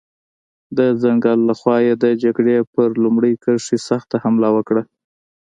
د ځنګل له خوا یې د جګړې پر لومړۍ کرښې سخته حمله وکړه.